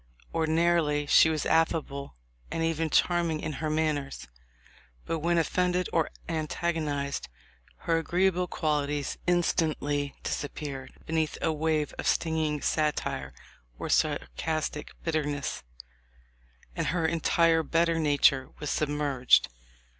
Ordinarily she was affable and even charming in her manners ; but when offended or antagonized, her agreeable quali ties instantly disappeared beneath a wave of sting ing satire or sarcastic bitterness, and her entire better nature was submerged.